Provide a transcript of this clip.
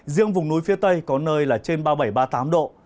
riêng vùng núi phía tây có nơi là trên ba mươi bảy ba mươi tám độ